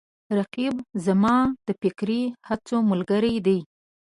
رقیب زما د فکري هڅو ملګری دی